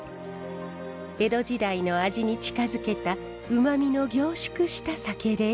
江戸時代の味に近づけたうまみの凝縮した酒です。